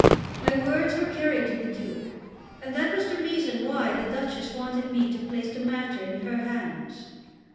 My words were carried to the Duke; and that was the reason why the Duchess wanted me to place the matter in her hands.